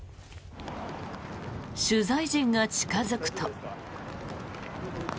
取材陣が近付くと。